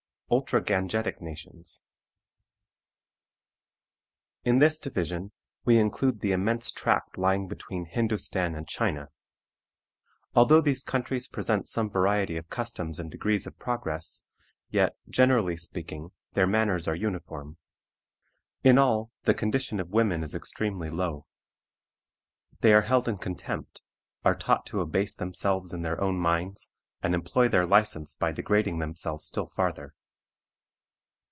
ULTRA GANGETIC NATIONS. In this division we include the immense tract lying between Hindostan and China. Although these countries present some variety of customs and degrees of progress, yet, generally speaking, their manners are uniform. In all, the condition of women is extremely low. They are held in contempt, are taught to abase themselves in their own minds, and employ their license by degrading themselves still farther.